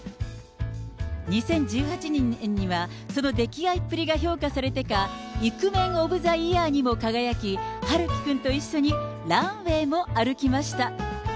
２０１８年にはその溺愛っぷりが評価されてか、イクメンオブザイヤーにも輝き、陽喜くんと一緒にランウエーも歩きました。